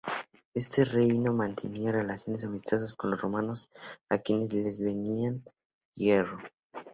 Este Reino mantenía relaciones amistosas con los romanos, a quienes le vendían hierro.